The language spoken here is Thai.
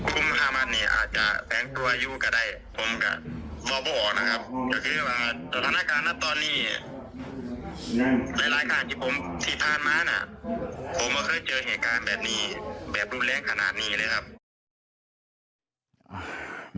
ที่ผ่านมานะผมว่าเคยเจอไม่งั้นแบบนี้แบบรุนแรงขนาดนี้เลยครับ